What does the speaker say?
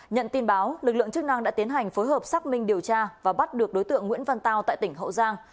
nhận tin báo lực lượng chức năng đã tiến hành phối hợp xác minh điều tra và bắt được đối tượng nguyễn văn tao tại tỉnh hậu giang